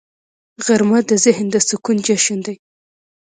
غرمه د ذهن د سکون جشن دی